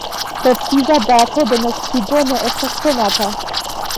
Preciza dato de naskiĝo ne estas konata.